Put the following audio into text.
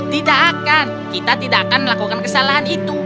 tidak akan kita tidak akan melakukan kesalahan itu